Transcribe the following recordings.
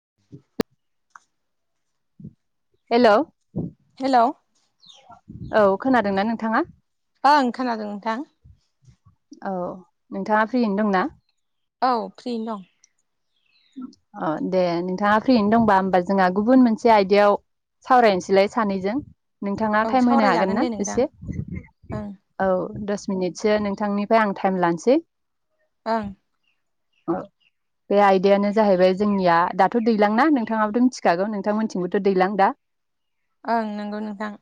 [inaudible] हेल'। औ। हेलौ खोनादोंना नोंथाङा? ओ खोनादों नोंथां। औ नोंथाङा फ्रिनो दंनाा? औ फ्रिनो दं दे नोंथाङा फ्रिनो दंबा होमबा जोंहा गुबुन मोनसे आयदायाव सावरायनोसैलाय सानैजों। नोंथाङा दं औ टाइम होनो हागोन सावरायजागोन ना दे नोंथां एसे ओं औ दस मिनिटसो नोंथांनिफ्राय आं टाइम लानोसै। ओं। ओ बेयाय दायानो जाहैबाय जोंनिया दाथ' दैलांना नोंथाङाबोथ' मिथिखागौ नोंथांमोनथिंबोथ' दैलां दा। ओं नंगौ नोंथां।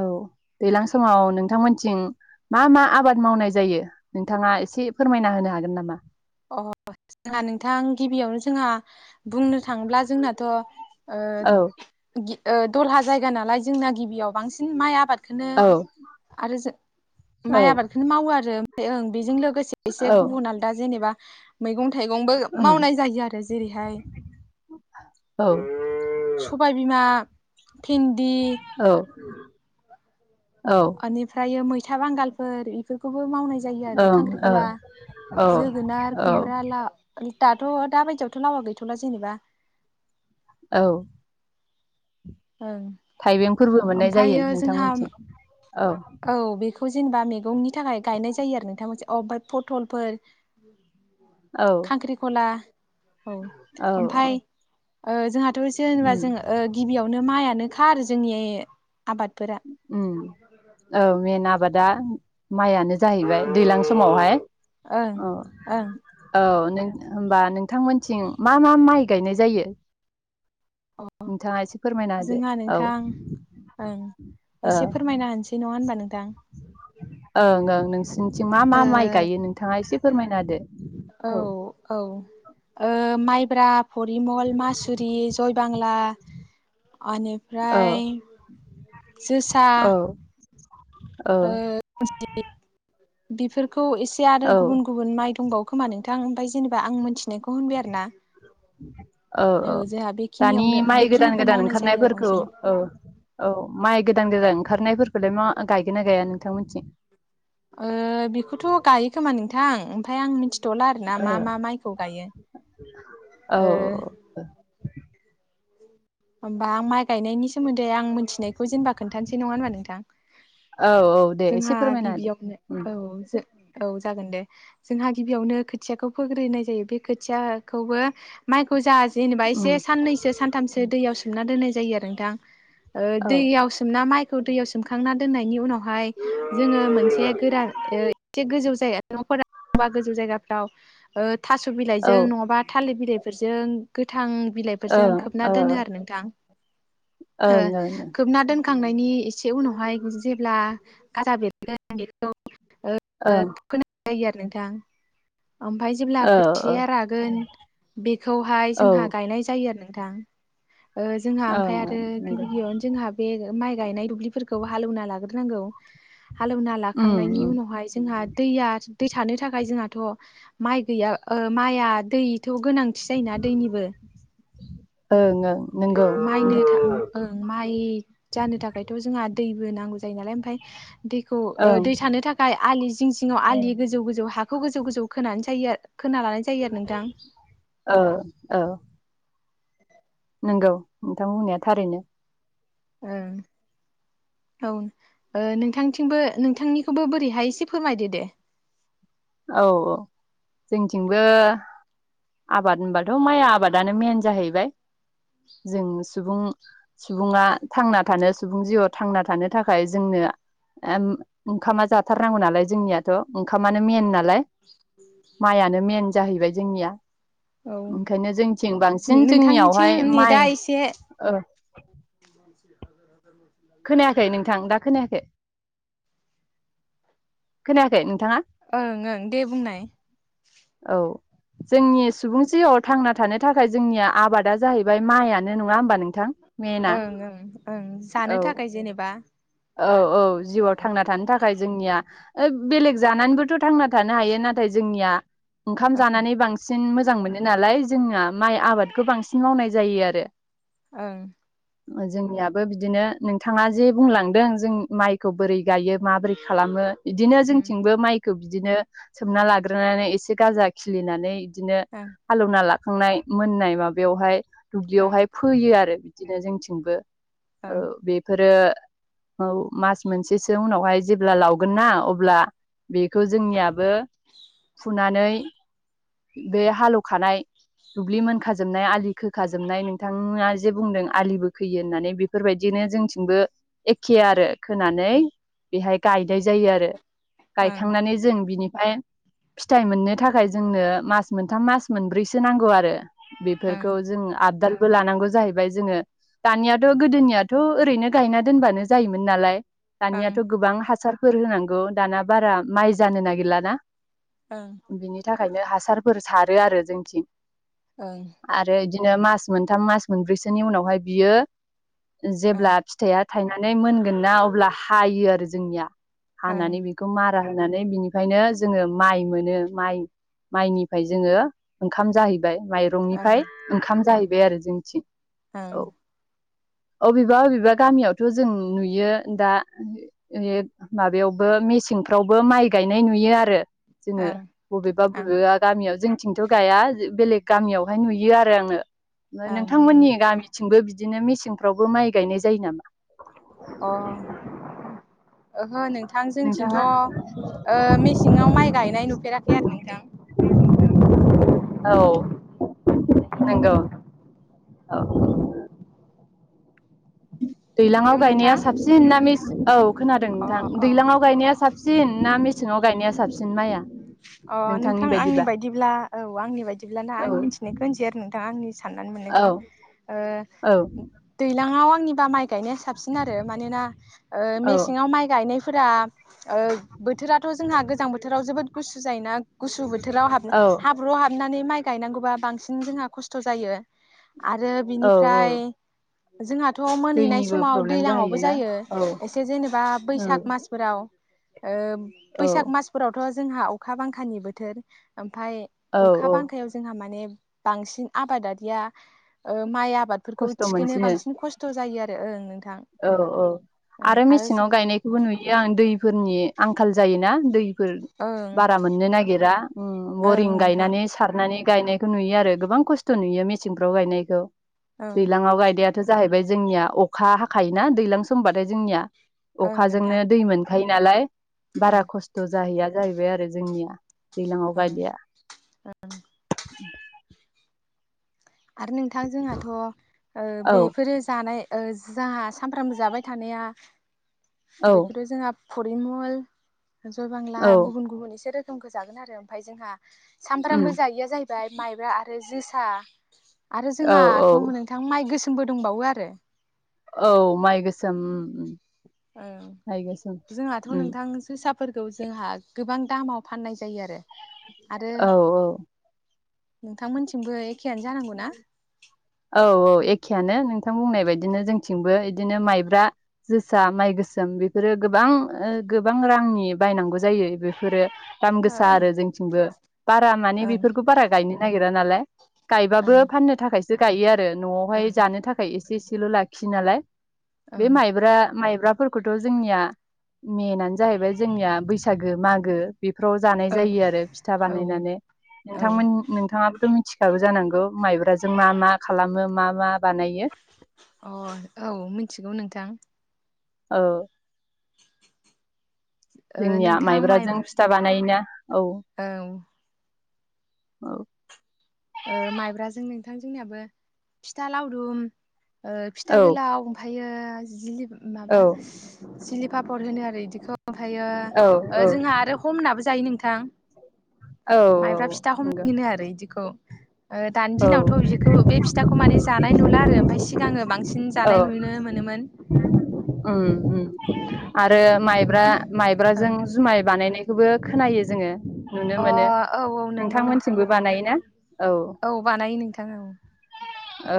औ दैज्लां समाव नोंथांमोनथिं मा मा आबाद मावनाय जायो नोंथाङा एसे फोरमायना होनो हागोन नामा? अ जोंहा नोंथां गिबियावनो जोंहा बुंनो थाङोब्ला जोंनाथ' ओ औ गि दलहा जायगा नालाय जोंना गिबियाव बांसिन माइ आबाद खोनो औ आरो जो औ माइ आबादखौनो मावो आरो। ओं बेजों लोग गोसे एसे औ गुबुन आलदा जेनेबा मैगं थाइंबो उम मावनाय जायो आरो जेरैहाय औ सबायबिमा, भिन्दि औ अनिफ्राय मैस था बांगालफोर बेफोरखौ मावनाय जायो आरो ओं ओ खांख्रिखला जोगोनार औ औ खुमब्रा ला दाथ' दा बायदियावथ' लावा गैथ'ला जेनेबा। औ। ओं थाइबेंफोरबो मोननाय जायो ओमफ्रायो जोंहा नोंथांमोननिथिं औ। खौ जेनेबा मैगंनि थाखाय गायनाय जायो आरो नोथां मोनसे अ फाय फथलफोर खांख्रिखला औ औ औ ओमफ्राय ओ जोंहा तो जेनेबा उम जों ओ गिबियाव नो माइआनोखा जोंनि आबादफोरा उम ओ मेन आबाद दा माइयानो जाहैबाय दैज्लां समावहाय। ओं अ ओं औ। नों होमबा नोंथांमोनथिं मा मा माइ गायनाय जायो? नोंथाङा एसे फोरमायना होदो जोंहा औ। नोंथां ओं ओ एसे फोरमायना होनोसै नङा होनबा नोंथां ओं ओं नोंसिनिथिं मा मा माइ गायो ओ नोंथाङा एसे फोरमायनादो औ औ। ओ माइब्रा। परिमल मासुरि जयबांला। औ ओनिफ्राय जोसा। औ ओ औ बिफोरखो खौ एसे आरो औ गुबुन गुबुन माइ दंबावो। खोमा नोंथां ओमफ्राय जेनेबा आं मोनथिनायखौ होनबाय आरो ना। औ औ जोंहा दानि बेखिनियावनो माइ गोदान बेखिनिखौ गोदान मावनाय जायो आरो ओंखारनायफोरखौ बांसिन औ औ माइ गोदान गोदान ओंखारनायफोर। [unintelligible] ओ बेखौथ' गायो खोमा नोंथां। ओमफ्राय आं मिथि। थ'ला आरो ना ओ मा मा माइखौ गायो औ ओ [inaudible] होमबा आं माइ गायनायनि सोमोनदै दे आं मिथिनायखौ जेनेबा खोन्थानोसै नङा होनबा नोंथां औ औ दे एसे जोंहा फोरमायना होदो गिबियावनो उम औ जो औ जागोन दे जोंहा गिबियावनो खोथियाखौ फोग्रोनाय जायो बे खोथियाखौबो माइखौ जा जेनेबा उम एसे साननैसो सानथामसो। सोमना दोननाय जायो आरो नोंथां। ओ औ दैयावसोमना माइ खौ दैयाव सोमखांना दोननायनि उनाव फाय जोङो मोनसे गोरा एसे गोजौ। न'फोरा होमबा गोजौ जायगाफ्राव। थास' बिलाइजों ओं नङाबा थालिर। बिलाइफोरजों गोथां। ओ बिलाइफोरजों खोब ना दोनो आरो नोंथां। [inaudible] ओ ओं ओं खोबना दोन। थांनायनि एस से उनावहाय जेब्ला। गाजा बेरगोना बेरैखौ ओं [unintelligible] यो आरो नोंथां ओमफ्राय जेब्ला औ औ खोथिया रागोन बे खौहाय जोंहा ओं ओं गायनाय जायो आरो। थां ओ जोंहा ओमफ्राय आरो नंगौ गिबि गिबियावनो जोंहा बे माइ गायनाय दुब्लि फोरखौ हालौना लाग्रो नांगौ हालौना उम लाखांनायनि उम उनावहाय जोंहा दैया दै थानो थाखाय जोंहा। थ माइ गैया माइआ दै थ' गोनांथि जायोना दैनिबो ओं ओं नंगौ माइनो था ओं माइ जानो थाखायथ' जोंहा दैबो नांगौ नालाय ओमफ्राय दैखौ ओं दै थानो थाखाय आलि जिं जिङाव आलि गोजौ गोजौ हाखौ गोजौ गोजौ खोनानै जायो आ खोना लानाय जायो आरो नोंथां। ओ औ नंगौ नोंथां बुंनाया थारैनो ओ औ ओ नोंथांनिथिंबो नोंथांनिखौबो बोरैहाय एसे फोरमायदो दे। औ औ जोंथिंबो आबाद होनबाथ' माइ आबादानो मेन जाहैबाय जोंनो सुबुं सुबुङा थांना थानो सुबुं जिउआव थांना थानो थाखाय जोंनो ओंखामा जाथारनांगौ नालाय जोंनियाथ' ओंखामानो मेन नालाय माइयानो मेन जाहैबाय जोंनिया औ ओंखायनो जोंथिं बांसिन नोंथांनिथिं जोंनियावहाय नेटआ माइ एसे ओ [unintelligible] खोनायाखै नोंथां दा खोनायाखै खोनायाखै नों ओं ओं दे बुंनाय। औ जोंनि सुबुं जिआव थांना थानो थाखाय जोंनिया आबादा जाहैबाय माइयानो नङा होमबा नों ओं ओं ओं जानो औ थाखाय जेनेबा औ औ जिउआव थांना थानो थाखाय जोंनिया ओ बेलेग जानानैबोथ' थांना थानो हायो नाथाय जोंनिया ओंखाम जानानै बांसिन मोजां मोनो नालाय जोंनिया माइ आबादखौ बांसिन मावनाय जायो आरो ओं जोंनियाबो बिदिनो नोंथाङा जे बुंलां दों जों माइखौ बोरै गायो माबोरै खालामो बिदिनो ओं जोंथिंबो माइखौ बिदिनो सोमना लाग्रोनानै एसे गाजा खिलिनानै बिदिनो हालौना ला खांनाय मोननाय माबायावहाय ओं दुब्लियावहाय फोयो आरो बिदिनो जोंथिंबो औ ओं बेफोरो औ मास मोनसेसो उनावहाय जेब्ला लावगोन ना अब्ला बेखौ जोंनियाबो फुनानै बे हालौखानाय दुब्लि मोनखाजोबनाय आलि खोखाजोबनाय नोंथाङा जे बुंदों आलिबो खोयो होननानै बेफोरबायदिनो जोंथिंबो एखे आरो खोनानै बेहाय गायनाय जायो आरो ओं गायखांनानै जों बिनि ओमफ्राय फिथाइ मोननो थाखाय जोंनो मास मोनथाम मास मोनब्रैसो नांगौ आरो ओं बेफोरखौ जों आदार लानांगौ जाहैबाय जोङो दानियाथ' गोदोनियाथ' ओरैनो गायना दोनबानो जायोमोन नालाय दानियाथ' ओं गोबां हासार फोर होनांगौ दाना बारा माइ जानो नागिरलाना ओं बिनि थाखायनो हासार फोर सारो आरो जोंथि ओं आरो [unintelligible] बिदिनो मास मोनथाम मास मोनब्रैसोनि उनावहाय बियो ओं जेब्ला फिथाइया थायनानै मोनगोन ना अब्ला हायो आरो जोंनिया ओं हानानै बेखौ मा मारा होनानै बिनिफ्रायनो जोङो माइ मोनो माइ माइनिफ्राय जोङो ओंखाम जाहै [unintelligible] ओं माइरंनिफ्राय ओंखाम ओं जाहैबाय आरो जोंनिथि औ ओं अबेबा अबेबा गामियाव थ' जों नुयो दा [unintelligible] माबायावबो मेसेंफ्रावबो माइ गायनाय नुयो आरो जोङो ओं बबेबा ओं बबेबा गामियाव जों थिंथ' गाया बेलेग गामियावहाय नुयो आरो आङो ओं अ नोंथांमोननि गामि थिंबो बिदिनो मेसेंफ्रावबो माइ गायनाय जायो नामा? अ, ओहो नोंथां जोंथिंथ' नोंथाङा ओ मेसेङाव माइ गायनाय नुफेराखै आरो नोंथां। नोंगौ औ। [inaudible] दैलाङाव हेलौ गायनाया नोंथां साबसिन ना मेसे औ खोनादों अ नोंथां दैलाङाव गायनाया साबसिन ना मेसेङाव गायनाया साबसि जोंनाया अ नोंथां आंनि बायदिब्ला औ आंनि बायदिब्लाना आं औ मिथिनायखौ होनसै आरो नोंथां आंनि साननानै औ मोननायखौ औ ओ दैज्लाङाव निबा माइ गायनाया साबसिन आरो मानोना ओ औ मेसेङाव माइ गायनाय फोरा ओ बोथोराथ' जोंहा गोजां बोथोराव जोबोद गुसु जायोना गुसु बोथोराव हाब औ हाब्रुआव हाब नानै माइ गायनांगौबा बांसिन जोंहा खस्थ' जायो। आरो औ औ बिनिफ्राय जोंहा थ' मोनहैनाय दैनिबो समाव प्रब्लेम दैलाङावबो जाहैयोना जायो औ एसे जेनेबा औ बैसाग मासफोराव ओ औ बैसाग मासफोरावथ' जोंहा अखा बांखानि बोथोर ओम फाय औ अखा औ बांखायाव जोंहा माने बांसिन आबादारिया ओ माइ आ‌ बादफोरखौ खस्थ' थिखोनो मोनसिनो बांसिन खस्थ' जायो आ ओ नों औ औ आरो मेसेङाव गायनायखौबो नुयो आं दैफोरनि आंखाल जायोना फोर ओं बारा मोननो नागिरा उम ओं बरिं नोंथां गायनानै सारनानै गायनायखौ नुयो आरो गोबां खस्थ' नुयो मेसेंफ्राव गायनायखौ। ओं दैलांआव गायदेद थो जाहैबाय जोंनिया अखा हा खायोना दैज्लां समबाथाय जोंनिया। ओं नोंथां अखाजोंनो दै मोन खायोनालाय ओं बारा खस्थ' जाहैया जाहैबाय आरो। आरो जोंनिया। दैलाङाव ओं गायदिया। [inaudible] आरो नोंथां जोंहाथ' औ बेफोरो जानाय जोंहा सानफ्रामबो जाबाय थानाया औ बेखौथ' जोंहा फरिमल जय बांला औ गुबुन गुबुन एसेरो रोखोम जागोन आरो ओमफ्राय जोंहा उम सानफ्रामबो जायिया जाहैबाय माइब्रा आरो जोसा था आरो औ औ जोंहाथ' नोंथां माइ गोसो दंबावो आरो। औ माइ गोसोम उम उम। औ माइ गोसोम जोंहाथ' उम नोंथां जोसाब फोरफोरखौ जोंहा गोबां दामाव फाननाय जायो आरो। औ औ। नोंथांमोन थिं औ औ एखेयानो नों बिथां बुंनाय बायदिनो जोंथिंबो बिदिनो माइब्रा जोसा माइ गोसोम बेफोरो गोबां गोबां रांनि बायनांगौ जायो बेफोरो दाम गोसा ओं आरो जोंथिंबो बारा माने ओं बेफोरखौ बारा गायनो नागिरा नालाय गायबाबो फाननो थाखाय सो गायो आरो आरो न'आवहाय ओं जानो थाखाय एसे लाखियो नालाय बे ओं माइब्रा माइब्रा मायब्राफोरखौथ' जोंनिया मेनानो जाहैबाय जोंनिया बैसागो, मागो बेफोराव जानाय ओं जायो आरो फिथा ओं बानायनानै औ नोंथांमोन नोंथाङाबोथ' मि फिसाबो जानांगौ माइब्राजों मा मा खालामो मा मा बानायो। अ औ मिथिगौ नोंथां। औ। ओ जोंनिया नोंथां माइ माइब्राजों फिथा बानायोना औ औ औ ओ माइब्राजों नोंथां जोंनियाबो फिथा लावदुम ओ फिथा औ गोलाव ओम्फाय [unintelligible] माबा औ [unintelligible] पापर होनो आरो बिदिखौ। ओमफ्रायो औ ओ औ जोंहा आरो हमनाबो जायो नों [unintelligible] औ माइब्रा फिथा नंगौ हमनाय होनो आरो बिदिखौ। ओ दानि औ दिनावथ' बेखौ बे फिथाखौ माने जानाय नुला आरो ओमफ्राय सिगाङो बांसिन औ जानाय नुनो मोनोमोन [unintelligible] आरो माइब्रा -माइब्राजों ओं जुमाय बानायनायखौबो खोनायो जोङो नुनो अ मोनो औ औ नंगौ नोंथां नोंथांमोनथिंबो औ बानायोना? औ बानायो नोंथां औ। औ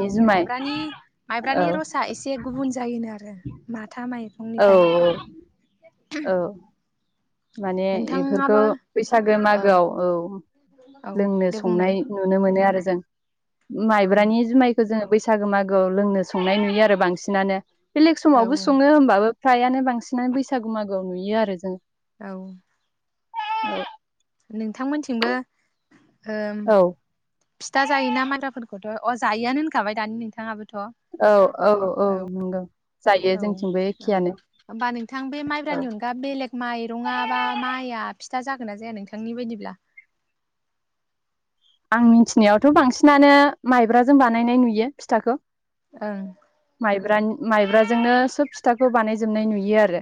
औ जुमाय माइब्रानि- औ माइब्रानि रसा एसे गुबुन जायोनो आरो माथा माइ औ औ औ माने बेफोरखौ नोंथाङाबो बैसागो मागोआव औ। औ लोंनो दे बुंनाय संनाय नुनो मोनो मोनो आरो जों। औ माइब्रानि जुमायखौ जोङो बैसागो मागोआव लोंनो संनाय नुयो आरो बांसिनानो। बेलेग समावबो सङो औ होमबाबो फ्रायानो बांसिनानो बैसागु मागोआव नुयो आरो जों। औ [unintelligible] नोंथांमोनथिंबो ओम औ फिथा जायोना माइब्राफोरखौथ' अह जायोआनो होनखाबाय दानि नोंथाङाबो औ औ औ नंगौ। जायो औ औ जोंथिंबो एखेयानो होनोमबा नोंथां बे औ माइब्रानि अनगा बेलेग माइरङा बा माइआ फिथा जाग जाया नोंथांनि बायदिब्ला? आं मिथिनायावथ' बांसिनानो माइब्राजों बानायनाय नुयो फिथाखौ। ओं माइब्रानि माइब्राजोंनो सोब फिथाखौ बानायजोबनाय नुयो आरो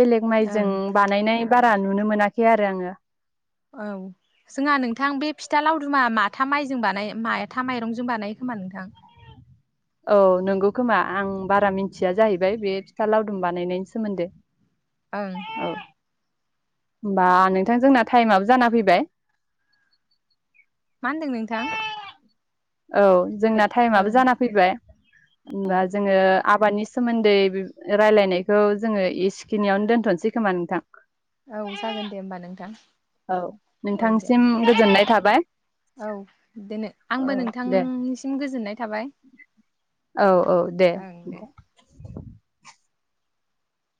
बेलेग ओं माइजों बानायनाय बा बारा नुनो मोनाखै आरो आङो औ जोंहा नोंथां बे फिथा लावदुमा माथा माइजों बानाय माथा माइरंजों बानायो खोमा नोंथां। औ नंगौ खोमा आं बारा मिथिया जाहैबाय बे फिथा लावदुम बानायनायनि सोमोन्दै। ओं औ होमबा नोंथां जोंना टाइमाबो जाना फैबाय। मा होनदों नोंथां? औ जोंना टाइमाबो ओं जाना फैबाय होनबा जोङो आबादनि सोमोन्दै रायलायनायखौ जोङो एसेखिनियावनो दोनथ'नोसै खोमा नोंथां। औ जागोन दे होमबा नोंथां औ औ दे नोंथांसिम होमबा गोजोननाय थाबाय औ दे औ आंबो नोंथां दे औ औ दे। ओं दे